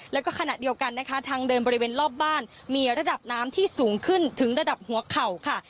แล้วก็ขณะเดียวกันนะคะทางเดินบริเวณรอบบ้านมีระดับน้ำที่สูงขึ้นถึงระดับหัวเข่าค่ะ